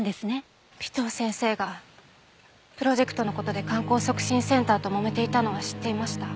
尾藤先生がプロジェクトの事で観光促進センターともめていたのは知っていました。